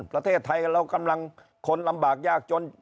ประเทศไทยเรากำลังคนลำบากยากจน